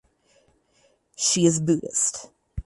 She is Buddhist.